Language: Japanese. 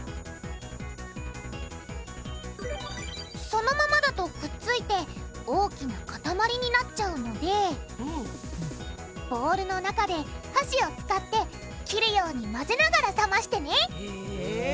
そのままだとくっついて大きなかたまりになっちゃうのでボウルの中ではしを使って切るように混ぜながら冷ましてねへぇ。